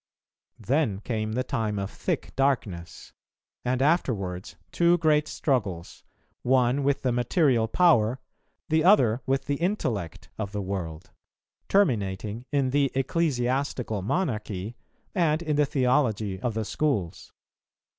Then came the time of thick darkness; and afterwards two great struggles, one with the material power, the other with the intellect, of the world, terminating in the ecclesiastical monarchy, and in the theology of the schools.